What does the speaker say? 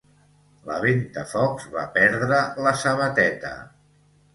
La ventafocs va perdre la sabateta.